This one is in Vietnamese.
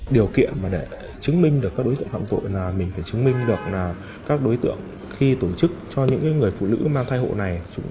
điều kiện mà để chứng minh được các đối tượng phạm tội là mình phải chứng minh được là các đối tượng khi tổ chức cho những người phụ nữ mang thai hộ này